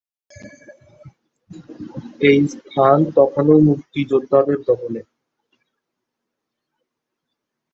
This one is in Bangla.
ওই স্থান তখনো মুক্তিযোদ্ধাদের দখলে।